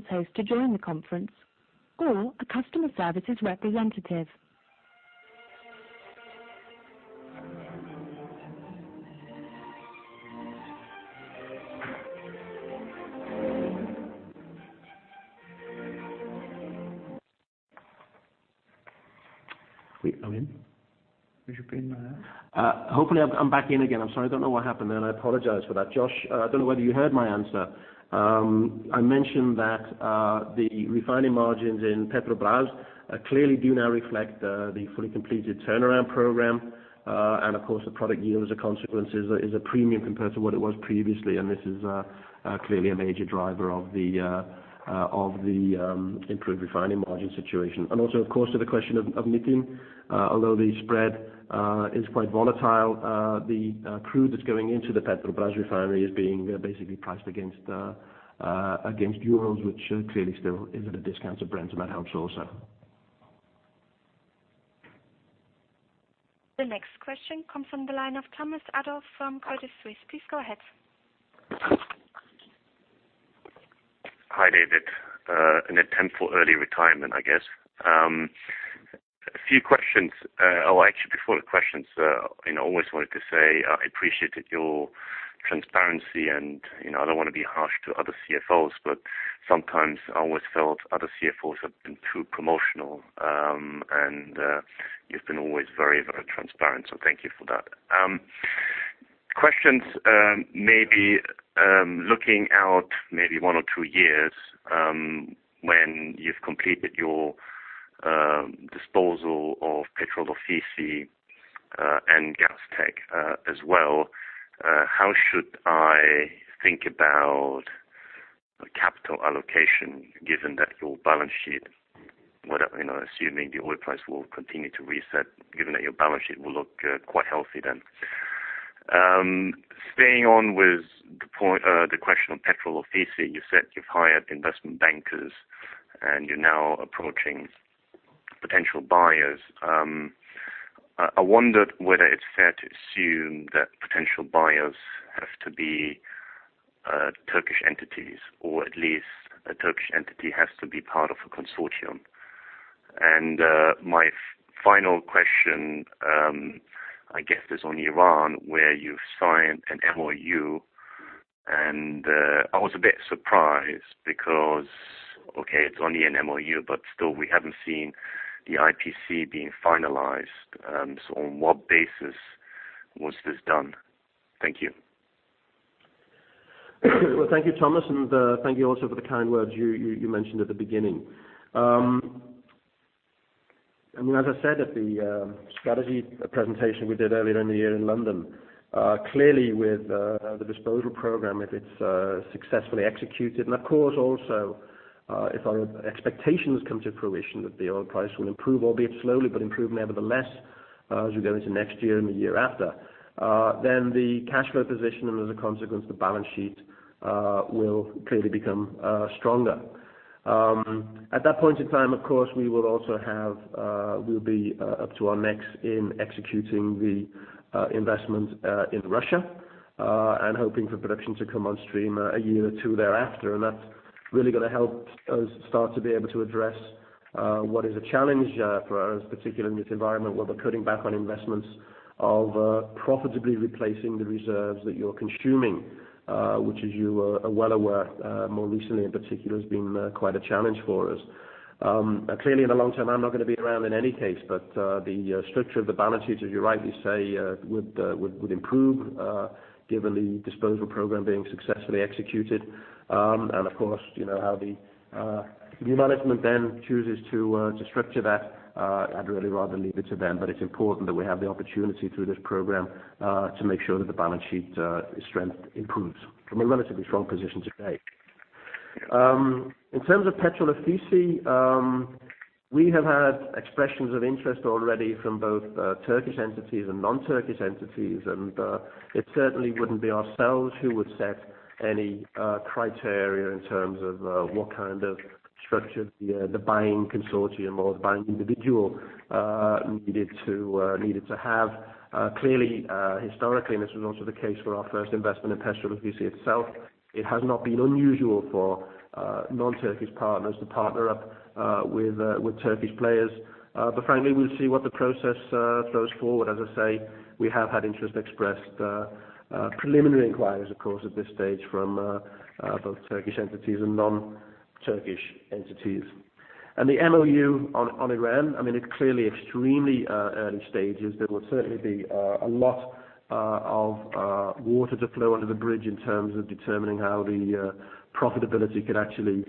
Please hold the line for the conference host to join the conference or a customer services representative. Wait, are we in? We should be now, yeah. Hopefully, I'm back in again. I'm sorry, I don't know what happened there, and I apologize for that. Josh, I don't know whether you heard my answer. I mentioned that the refining margins in Petrobrazi clearly do now reflect the fully completed turnaround program. Of course, the product yield, as a consequence, is a premium compared to what it was previously. This is clearly a major driver of the improved refining margin situation. Also, of course, to the question of Nitin, although the spread is quite volatile, the crude that's going into the Petrobrazi refinery is being basically priced against Urals, which clearly still is at a discount to Brent and that helps also. The next question comes from the line of Thomas Adolff from Credit Suisse. Please go ahead. Hi, David. An attempt for early retirement, I guess. A few questions. Oh, actually, before the questions, I always wanted to say I appreciated your transparency, and I don't want to be harsh to other CFOs, but sometimes I always felt other CFOs have been too promotional. You've been always very, very transparent, so thank you for that. Questions, maybe looking out maybe one or two years, when you've completed your disposal of Petrol Ofisi and Gas Connect Austria as well, how should I think about capital allocation given that your balance sheet, assuming the oil price will continue to reset, given that your balance sheet will look quite healthy then? Staying on with the question of Petrol Ofisi, you said you've hired investment bankers and you're now approaching potential buyers. I wondered whether it's fair to assume that potential buyers have to be Turkish entities, or at least a Turkish entity has to be part of a consortium. My final question, I guess, is on Iran, where you've signed an MOU, and I was a bit surprised because, okay, it's only an MOU, but still, we haven't seen the IPC being finalized. On what basis was this done? Thank you. Well, thank you, Thomas, thank you also for the kind words you mentioned at the beginning. As I said at the strategy presentation we did earlier in the year in London, clearly with the disposal program, if it's successfully executed, and of course also if our expectations come to fruition, that the oil price will improve, albeit slowly, but improve nevertheless as we go into next year and the year after, then the cash flow position and as a consequence, the balance sheet, will clearly become stronger. At that point in time, of course, we'll be up to our necks in executing the investment in Russia hoping for production to come on stream a year or two thereafter. That's really going to help us start to be able to address what is a challenge for us, particularly in this environment where we're cutting back on investments of profitably replacing the reserves that you're consuming which as you are well aware, more recently in particular, has been quite a challenge for us. Clearly, in the long term, I'm not going to be around in any case, but the structure of the balance sheet, as you rightly say, would improve, given the disposal program being successfully executed. Of course, how the new management then chooses to structure that, I'd really rather leave it to them. It's important that we have the opportunity through this program, to make sure that the balance sheet strength improves from a relatively strong position today. In terms of Petrol Ofisi, we have had expressions of interest already from both Turkish entities and non-Turkish entities. It certainly wouldn't be ourselves who would set any criteria in terms of what kind of structure the buying consortium or the buying individual needed to have. Clearly, historically, and this was also the case for our first investment in Petrol Ofisi itself, it has not been unusual for non-Turkish partners to partner up with Turkish players. Frankly, we'll see what the process throws forward. As I say, we have had interest expressed, preliminary inquiries, of course, at this stage from both Turkish entities and non-Turkish entities. The MOU on Iran. It's clearly extremely early stages. There will certainly be a lot of water to flow under the bridge in terms of determining how the profitability could actually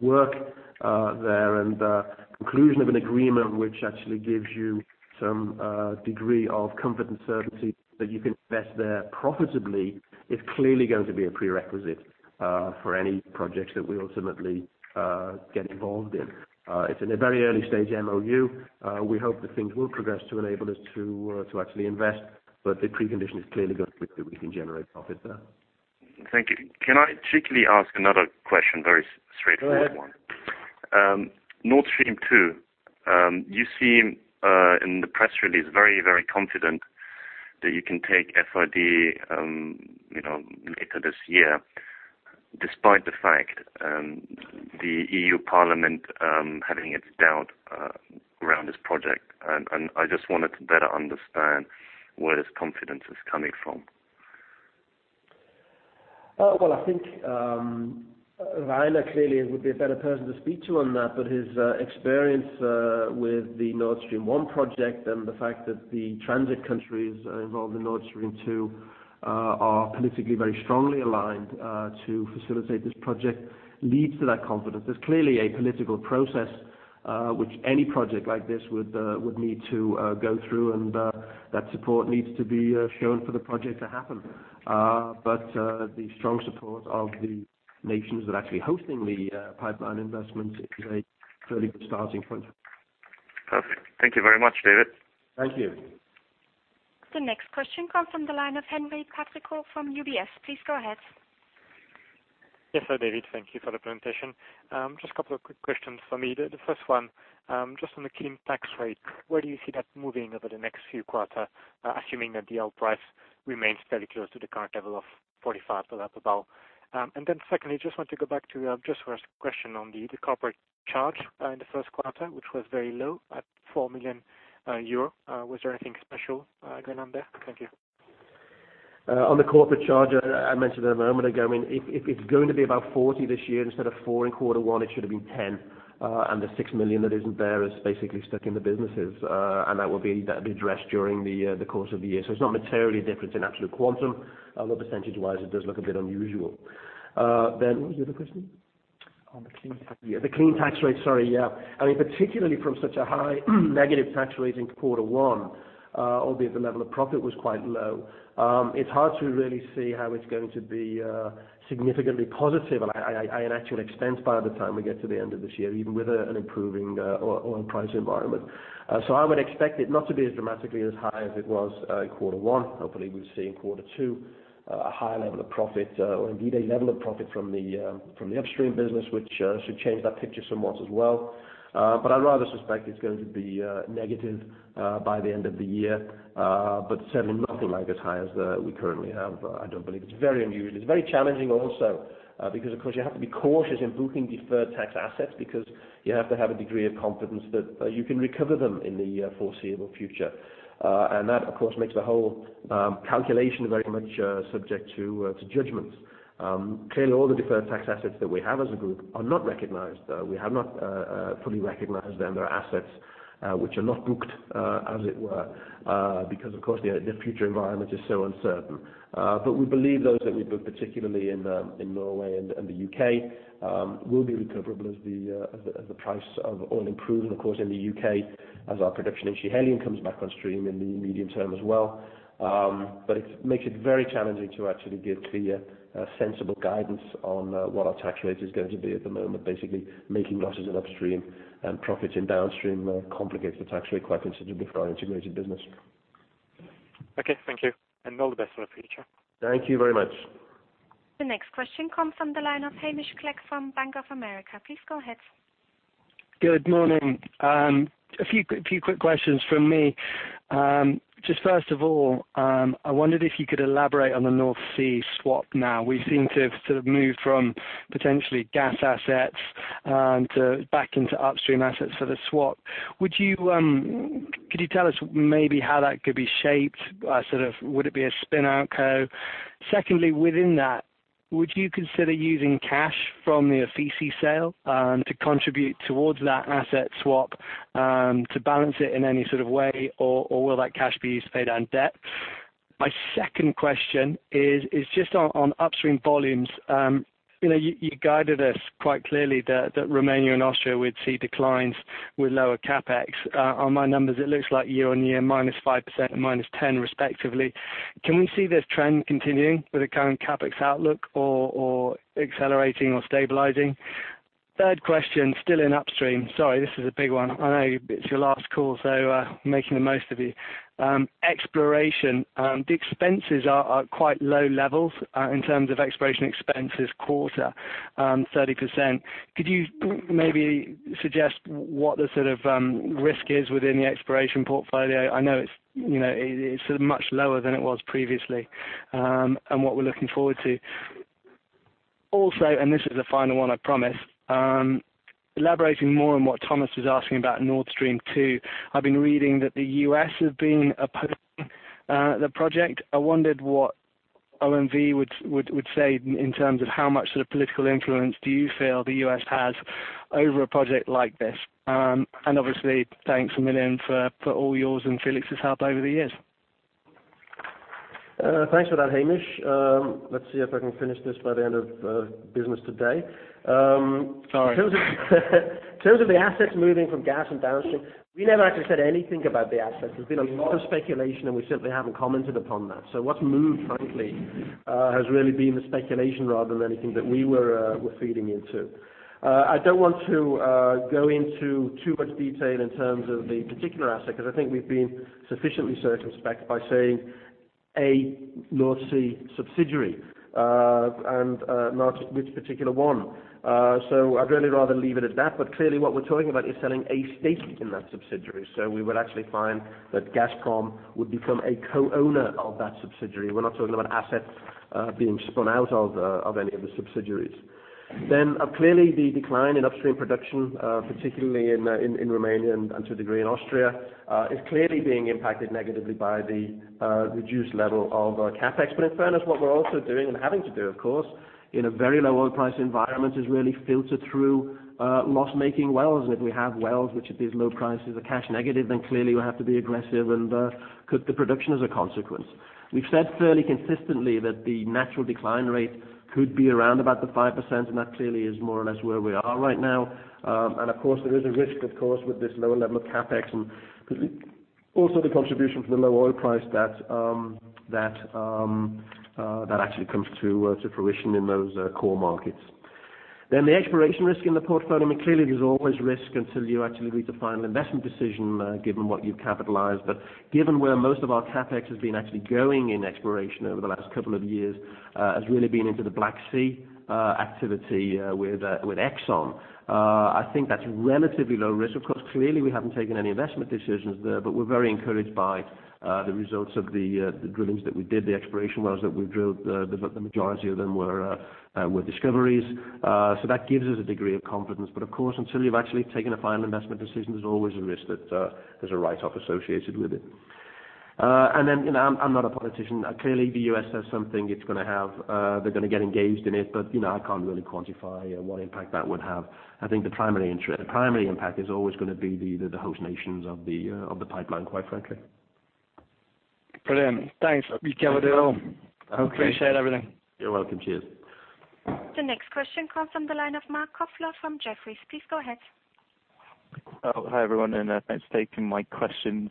work there. The conclusion of an agreement which actually gives you some degree of comfort and certainty that you can invest there profitably is clearly going to be a prerequisite for any projects that we ultimately get involved in. It is in a very early stage MOU. We hope that things will progress to enable us to actually invest, but the precondition is clearly going to be that we can generate profit there. Thank you. Can I cheekily ask another question, very straightforward one? Go ahead. Nord Stream 2. You seem, in the press release, very, very confident that you can take FID later this year, despite the fact the European Parliament having its doubt around this project. I just wanted to better understand where this confidence is coming from. Well, I think Rainer clearly would be a better person to speak to on that. His experience with the Nord Stream 1 project and the fact that the transit countries involved in Nord Stream 2 are politically very strongly aligned to facilitate this project, leads to that confidence. There's clearly a political process, which any project like this would need to go through, and that support needs to be shown for the project to happen. The strong support of the nations that are actually hosting the pipeline investment is a fairly good starting point. Perfect. Thank you very much, David. Thank you. The next question comes from the line of Henri Patricot from UBS. Please go ahead. Yes, sir, David. Thank you for the presentation. A couple of quick questions from me. The first one, just on the clean tax rate, where do you see that moving over the next few quarter, assuming that the oil price remains fairly close to the current level of $45 per barrel? Secondly, just want to go back to just first question on the corporate charge in the first quarter, which was very low at 4 million euro. Was there anything special going on there? Thank you. On the corporate charge, I mentioned a moment ago. If it's going to be about 40 this year instead of 4 in quarter one, it should have been 10. The 6 million that isn't there is basically stuck in the businesses. That will be addressed during the course of the year. It's not materially different in absolute quantum, although percentage-wise, it does look a bit unusual. What was the other question? On the clean tax rate. The clean tax rate. Sorry. Yeah. Particularly from such a high negative tax rate in quarter one, albeit the level of profit was quite low, it's hard to really see how it's going to be significantly positive and actually expense by the time we get to the end of this year, even with an improving oil price environment. I would expect it not to be as dramatically as high as it was in quarter one. Hopefully, we'll see in quarter two a higher level of profit or indeed a level of profit from the upstream business, which should change that picture somewhat as well. I'd rather suspect it's going to be negative by the end of the year. Certainly nothing like as high as we currently have, I don't believe. It's very unusual. It's very challenging also because, of course, you have to be cautious in booking deferred tax assets because you have to have a degree of confidence that you can recover them in the foreseeable future. That, of course, makes the whole calculation very much subject to judgments. Clearly, all the deferred tax assets that we have as a group are not recognized. We have not fully recognized them. They're assets which are not booked, as it were, because of course, the future environment is so uncertain. We believe those that we book, particularly in Norway and the U.K., will be recoverable as the price of oil improves. Of course, in the U.K., as our production in Schiehallion comes back on stream in the medium term as well. It makes it very challenging to actually give clear, sensible guidance on what our tax rate is going to be at the moment. Basically making losses in upstream and profits in downstream complicates the tax rate quite considerably for our integrated business. Okay, thank you, all the best for the future. Thank you very much. The next question comes from the line of Hamish Clegg from Bank of America. Please go ahead. Good morning. A few quick questions from me. First of all, I wondered if you could elaborate on the North Sea swap now. We seem to have sort of moved from potentially gas assets back into upstream assets for the swap. Could you tell us maybe how that could be shaped? Would it be a spin-out co? Secondly, within that, would you consider using cash from the Petrol Ofisi sale to contribute towards that asset swap, to balance it in any sort of way? Will that cash be used to pay down debt? My second question is just on upstream volumes. You guided us quite clearly that Romania and Austria would see declines with lower CapEx. On my numbers, it looks like year-over-year, -5% and -10%, respectively. Can we see this trend continuing with the current CapEx outlook or accelerating or stabilizing? Third question, still in upstream. Sorry, this is a big one. I know it's your last call, so making the most of you. Exploration. The expenses are at quite low levels in terms of exploration expenses quarter, 30%. Could you maybe suggest what the sort of risk is within the exploration portfolio? I know it's much lower than it was previously, and what we're looking forward to. Also, this is the final one, I promise. Elaborating more on what Thomas was asking about Nord Stream 2. I've been reading that the U.S. has been opposing the project. I wondered what OMV would say in terms of how much political influence do you feel the U.S. has over a project like this? Obviously, thanks a million for all yours and Felix's help over the years. Thanks for that, Hamish. Let's see if I can finish this by the end of business today. Sorry. In terms of the assets moving from gas and downstream, we never actually said anything about the assets. There's been a lot of speculation. We simply haven't commented upon that. What's moved, frankly, has really been the speculation rather than anything that we were feeding into. I don't want to go into too much detail in terms of the particular asset, because I think we've been sufficiently circumspect by saying a North Sea subsidiary, and not which particular one. I'd really rather leave it at that. Clearly, what we're talking about is selling a stake in that subsidiary. We would actually find that Gazprom would become a co-owner of that subsidiary. We're not talking about assets being spun out of any of the subsidiaries. Clearly the decline in upstream production, particularly in Romania and to a degree in Austria, is clearly being impacted negatively by the reduced level of CapEx. In fairness, what we're also doing, and having to do, of course, in a very low oil price environment, is really filter through loss-making wells. If we have wells which at these low prices are cash negative, then clearly we have to be aggressive and cut the production as a consequence. We've said fairly consistently that the natural decline rate could be around about the 5%. That clearly is more or less where we are right now. Of course, there is a risk, of course, with this lower level of CapEx and also the contribution from the low oil price that actually comes to fruition in those core markets. The exploration risk in the portfolio, I mean, clearly there's always risk until you actually reach the final investment decision, given what you've capitalized. Given where most of our CapEx has been actually going in exploration over the last couple of years has really been into the Black Sea activity with ExxonMobil. I think that's relatively low risk. Of course, clearly, we haven't taken any investment decisions there, but we're very encouraged by the results of the drillings that we did, the exploration wells that we drilled, the majority of them were discoveries. That gives us a degree of confidence. Of course, until you've actually taken a final investment decision, there's always a risk that there's a write-off associated with it. Then, I'm not a politician. Clearly, the U.S. says something, they're going to get engaged in it. I can't really quantify what impact that would have. I think the primary impact is always going to be the host nations of the pipeline, quite frankly. Brilliant. Thanks. Okay. Appreciate everything. You're welcome. Cheers. The next question comes from the line of Marc Kofler from Jefferies. Please go ahead. Oh, hi, everyone, and thanks for taking my questions,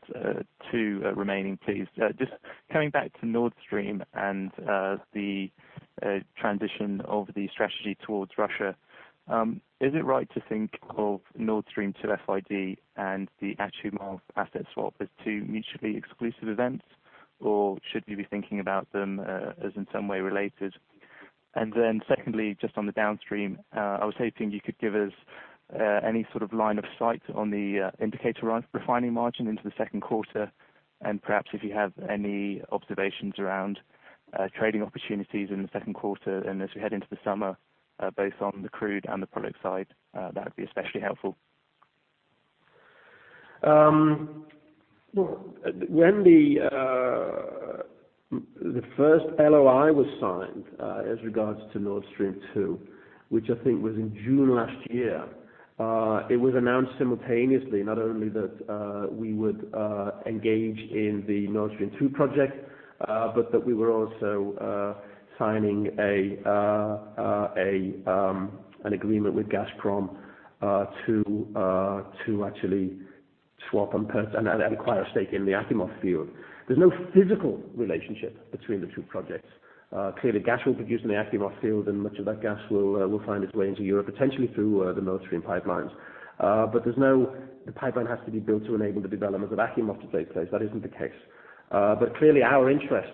two remaining, please. Just coming back to Nord Stream and the transition of the strategy towards Russia. Is it right to think of Nord Stream 2 FID and the Achimov asset swap as two mutually exclusive events, or should we be thinking about them as in some way related? Secondly, just on the downstream, I was hoping you could give us any sort of line of sight on the indicator refining margin into the second quarter, and perhaps if you have any observations around trading opportunities in the second quarter and as we head into the summer, both on the crude and the product side, that would be especially helpful. Well, when the first LOI was signed as regards to Nord Stream 2, which I think was in June last year, it was announced simultaneously not only that we would engage in the Nord Stream 2 project, but that we were also signing an agreement with Gazprom to actually swap and acquire a stake in the Achimov field. There's no physical relationship between the two projects. Clearly, gas will be produced in the Achimov field, and much of that gas will find its way into Europe, potentially through the Nord Stream pipelines. The pipeline has to be built to enable the development of Achimov to take place. That isn't the case. Clearly, our interest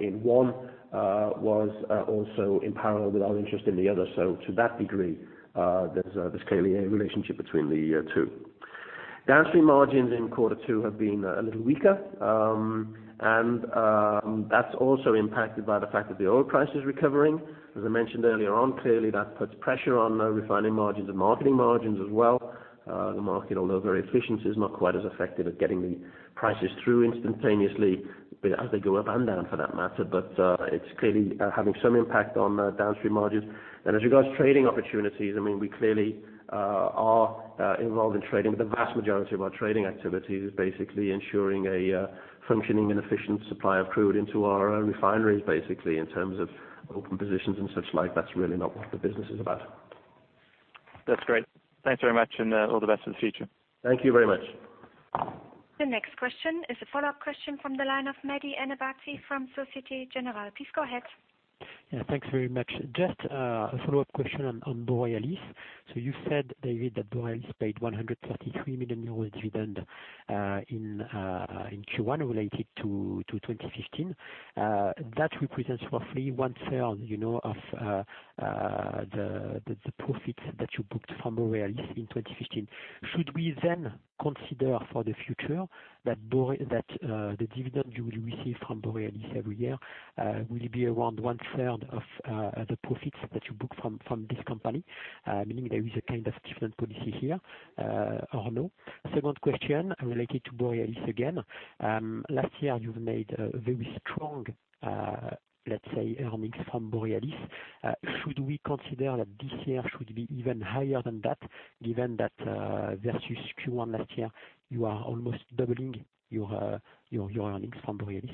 in one was also in parallel with our interest in the other. To that degree, there's clearly a relationship between the two. Downstream margins in quarter two have been a little weaker. That's also impacted by the fact that the oil price is recovering. As I mentioned earlier on, clearly, that puts pressure on refining margins and marketing margins as well. The market, although very efficient, is not quite as effective at getting the prices through instantaneously, as they go up and down for that matter. It's clearly having some impact on downstream margins. As regards to trading opportunities, we clearly are involved in trading, but the vast majority of our trading activity is basically ensuring a functioning and efficient supply of crude into our own refineries, basically, in terms of open positions and such like. That's really not what the business is about. That's great. Thanks very much, and all the best for the future. Thank you very much. The next question is a follow-up question from the line of Mehdi Ennebati from Societe Generale. Please go ahead. Yeah, thanks very much. Just a follow-up question on Borealis. You said, David, that Borealis paid 133 million euros dividend in Q1 related to 2015. That represents roughly one-third of the profits that you booked from Borealis in 2015. Should we then consider for the future that the dividend you will receive from Borealis every year will be around one-third of the profits that you book from this company? Meaning there is a kind of different policy here, or no? Second question related to Borealis again. Last year, you've made very strong, let's say, earnings from Borealis. Should we consider that this year should be even higher than that, given that versus Q1 last year, you are almost doubling your earnings from Borealis?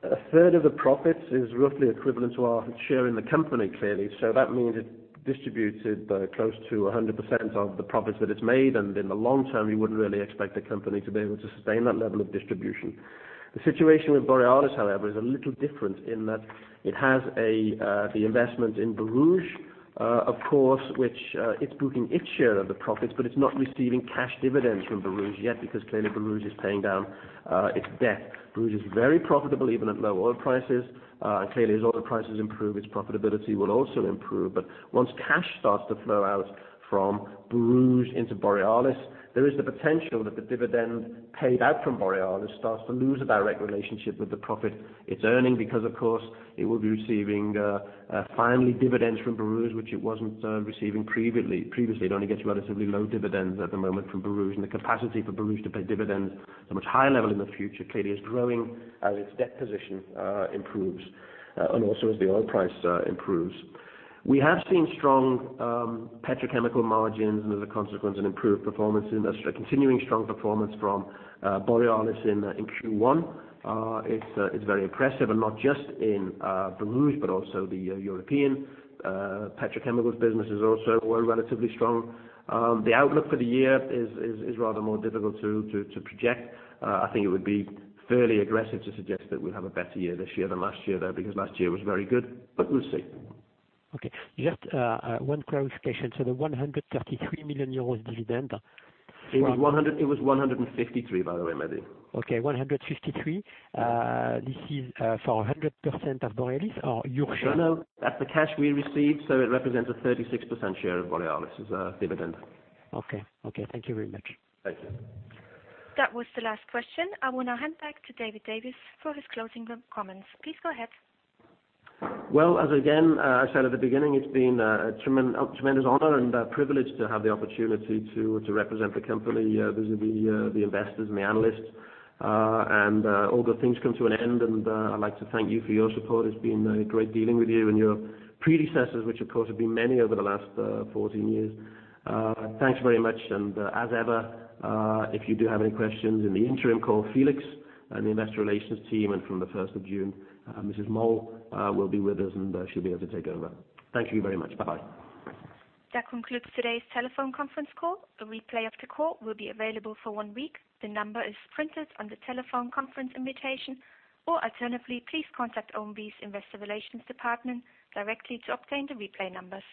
A third of the profits is roughly equivalent to our share in the company, clearly. That means it distributed close to 100% of the profits that it's made, and in the long term, you wouldn't really expect the company to be able to sustain that level of distribution. The situation with Borealis, however, is a little different in that it has the investment in Borouge, of course, which it's booking its share of the profits, but it's not receiving cash dividends from Borouge yet because clearly Borouge is paying down its debt. Borouge is very profitable, even at low oil prices. Clearly, as oil prices improve, its profitability will also improve. Once cash starts to flow out from Borouge into Borealis, there is the potential that the dividend paid out from Borealis starts to lose a direct relationship with the profit it's earning because, of course, it will be receiving finally dividends from Borouge, which it wasn't receiving previously. Previously, it only gets relatively low dividends at the moment from Borouge, and the capacity for Borouge to pay dividends at a much higher level in the future clearly is growing as its debt position improves, and also as the oil price improves. We have seen strong petrochemical margins and, as a consequence, an improved performance, a continuing strong performance from Borealis in Q1. It's very impressive, and not just in Borouge, but also the European petrochemical business is also relatively strong. The outlook for the year is rather more difficult to project. I think it would be fairly aggressive to suggest that we'll have a better year this year than last year, though, because last year was very good, but we'll see. Okay. Just one clarification. The 133 million euros dividend from. It was 153, by the way, Mehdi. Okay, 153. This is for 100% of Borealis or your share? No, no. That's the cash we received, so it represents a 36% share of Borealis as a dividend. Okay. Thank you very much. Thank you. That was the last question. I will now hand back to David Davies for his closing comments. Please go ahead. Well, as again, I said at the beginning, it's been a tremendous honor and a privilege to have the opportunity to represent the company, visit the investors and the analysts. All good things come to an end, and I'd like to thank you for your support. It's been great dealing with you and your predecessors, which of course have been many over the last 14 years. Thanks very much, and as ever, if you do have any questions in the interim, call Felix and the investor relations team, and from the 1st of June, Mrs. Moll will be with us, and she'll be able to take over. Thank you very much. Bye-bye. That concludes today's telephone conference call. A replay of the call will be available for one week. The number is printed on the telephone conference invitation, or alternatively, please contact OMV's investor relations department directly to obtain the replay numbers.